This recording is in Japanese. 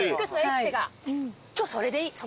今日それでいい。